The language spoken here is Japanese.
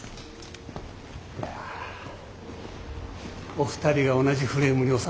いやお二人が同じフレームにおさまってる。